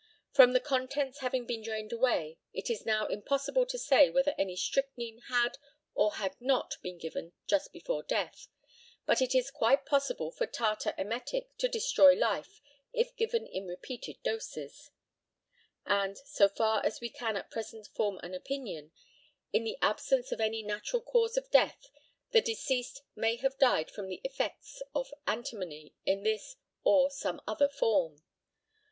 From the contents having been drained away, it is now impossible to say whether any strychnine had or had not been given just before death; but it is quite possible for tartar emetic to destroy life if given in repeated doses; and, so far as we can at present form an opinion, in the absence of any natural cause of death, the deceased may have died from the effects of antimony in this or some other form.